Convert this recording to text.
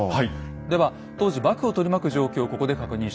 では当時幕府を取り巻く状況をここで確認しておきましょう。